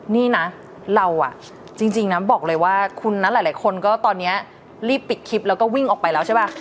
นี่นะเราอ่ะจริงนะบอกเลยว่าคุณนะหลายคนก็ตอนนี้รีบปิดคลิปแล้วก็วิ่งออกไปแล้วใช่ป่ะ